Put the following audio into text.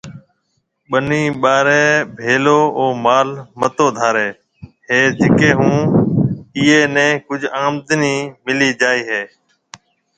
ٻنيَ ٻارَي ڀيݪو او مال متو ڌارَي ھيََََ جڪيَ ھون اُئيَ نيَ ڪجھ آمدنِي ملَي جائيَ ھيََََ